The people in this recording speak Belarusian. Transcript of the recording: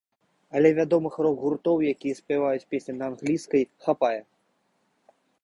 Але вядомых рок-гуртоў, якія спяваюць песні на англійскай, хапае.